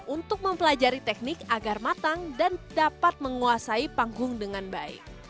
untuk mempelajari teknik agar matang dan dapat menguasai panggung dengan baik